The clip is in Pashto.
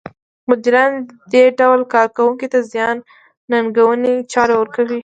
مديران دې ډول کار کوونکو ته زیاتې ننګوونکې چارې ورکوي.